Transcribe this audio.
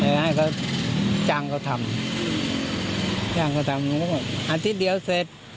เดี๋ยวให้เขาจ้างเขาทำจ้างเขาทำอาทิตย์เดียวเสร็จ